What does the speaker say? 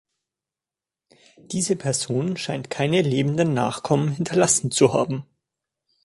Diese Person scheint keine lebenden Nachkommen hinterlassen zu haben.